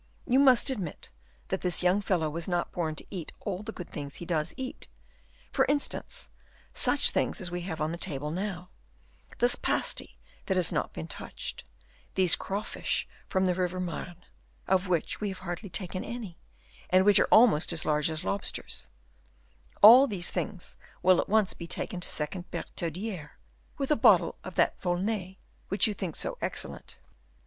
You must admit that this young fellow was not born to eat all the good things he does eat; for instance, such things as we have on the table now; this pasty that has not been touched, these crawfish from the River Marne, of which we have hardly taken any, and which are almost as large as lobsters; all these things will at once be taken to second Bertaudiere, with a bottle of that Volnay which you think so excellent.